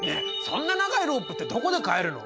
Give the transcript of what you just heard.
そんな長いロープってどこで買えるの？